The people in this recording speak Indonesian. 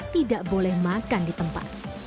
tidak boleh makan di tempat